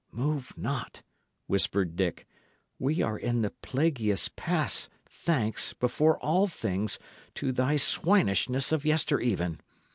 "Move not," whispered Dick. "We are in the plaguiest pass, thanks, before all things, to thy swinishness of yestereven.